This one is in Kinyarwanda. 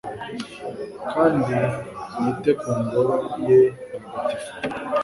kandi nite ku Ngoro ye ntagatifu